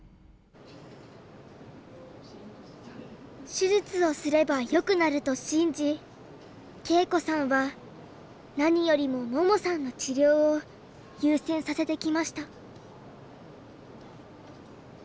手術をすればよくなると信じ恵子さんは何よりも桃さんの治療を優先させてきました。